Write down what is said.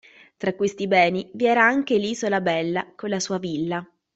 Tra questi beni vi era anche l'isola Bella con la sua villa.